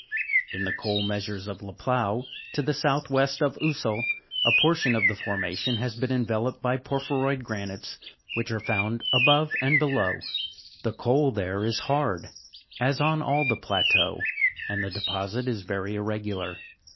In the coal measures of La Pleau, to the south west of Ussel, a portion of the formation has been enveloped by porphyroid granites, which are found above and below. ' The coal is there hard, as on all the plateau, and the deposit is very irregular.